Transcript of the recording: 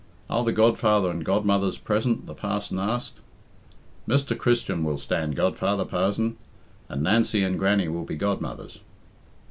"Are the godfather and godmothers present?" the parson asked. "Mr. Christian will stand godfather, parzon; and Nancy and Grannie will be godmothers."